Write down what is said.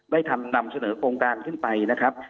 นำนำเสนอโครงการขึ้นไปนะครับ